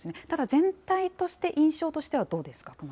ただ全体として、印象としてはどうですか？